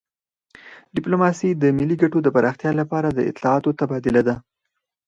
ډیپلوماسي د ملي ګټو د پراختیا لپاره د اطلاعاتو تبادله ده